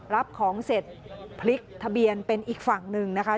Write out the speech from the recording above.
รับของเสร็จพลิกทะเบียนเป็นอีกฝั่งหนึ่งนะคะ